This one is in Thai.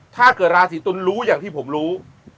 ถ้าเกิดราศีตุลรู้อย่างที่ผมรู้